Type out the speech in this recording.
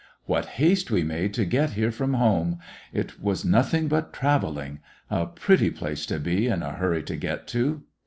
" What haste we made to get here from home. It was nothing but travelling. A pretty place to be in a hurry to get to